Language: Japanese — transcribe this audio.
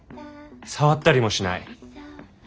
触ったりもしない。